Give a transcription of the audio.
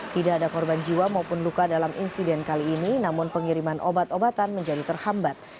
tidak ada korban jiwa maupun luka dalam insiden kali ini namun pengiriman obat obatan menjadi terhambat